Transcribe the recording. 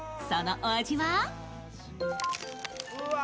そのお味は？